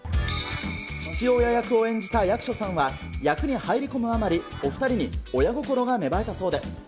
父親役を演じた役所さんは、役に入り込むあまり、お２人に親心が芽生えたそうで。